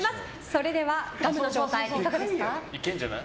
それではガムの状態いかがですか。